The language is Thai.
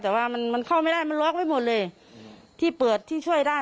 แต่ว่ามันมันเข้าไม่ได้มันล็อกไว้หมดเลยที่เปิดที่ช่วยได้